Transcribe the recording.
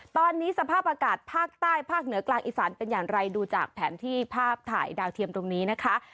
ตอนนี้สภาพอากาศภาคใต้ภาคเหนือกลางอีสานเป็นอย่างไรดูจากแผนที่ภาพถ่ายดาวเทียมตรงนี้นะคะ